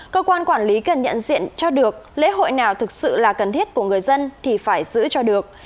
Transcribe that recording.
cơ quan quản lý cần nhận diện cho được lễ hội nào thực sự là cần thiết của người dân thì phải giữ cho được